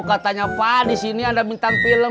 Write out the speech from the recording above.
katanya pak disini ada bintang film